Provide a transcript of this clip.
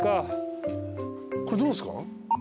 これどうっすか？